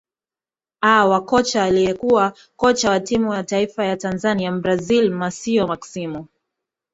aa wa kocha aliyekuwa kocha wa timu ya taifa ya tanzania mbrazil masio maximo